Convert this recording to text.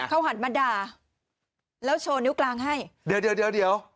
เขาหันมาด่าแล้วโชว์นิ้วกลางให้